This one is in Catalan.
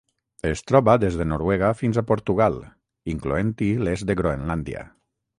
Es troba des de Noruega fins a Portugal, incloent-hi l'est de Groenlàndia.